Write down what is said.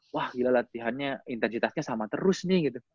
wah iya latihannya intensitasnya sama terus nih gitu